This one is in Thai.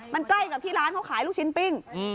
มันใกล้กับที่ร้านเขาขายลูกชิ้นปิ้ง